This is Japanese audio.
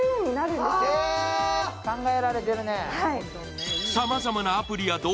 考えられてるね。